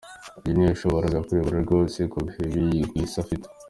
Uyu ntiyashobora kuyobora rwose, kubihe bigwi se afite.